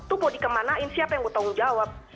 itu mau dikemanain siapa yang bertanggung jawab